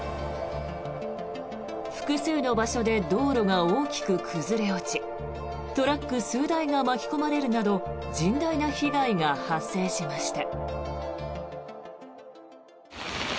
複数の場所で道路が大きく崩れ落ちトラック数台が巻き込まれるなど甚大な被害が発生しました。